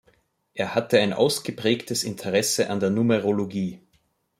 Er hatte ein ausgeprägtes Interesse an der Numerologie.